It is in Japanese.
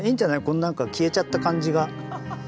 このなんか消えちゃった感じが。